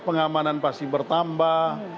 pengamanan pasti bertambah